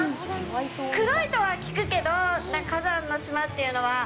黒いとは聞くけど、火山の島っていうのは。